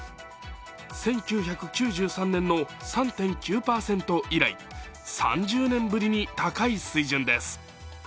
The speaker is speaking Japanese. １９９３年の３．９％以来、３０年ぶりに高い水準です。